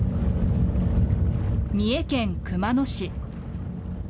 三重県熊野市。